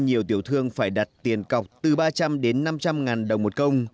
nhiều tiểu thương phải đặt tiền cọc từ ba trăm linh đến năm trăm linh ngàn đồng một công